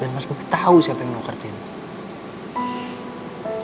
dan mas bubi tau siapa yang nuker tini